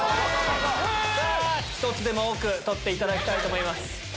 １つでも多く取っていただきたいと思います。